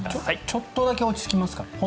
ちょっとだけ落ち着きますかね。